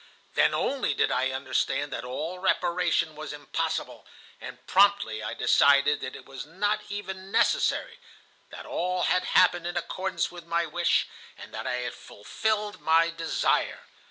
Then only did I understand that all reparation was impossible, and promptly I decided that it was not even necessary, that all had happened in accordance with my wish, and that I had fulfilled my desire.